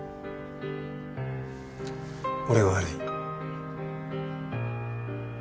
俺が悪い。